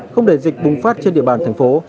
không để dịch bùng phát trên địa bàn thành phố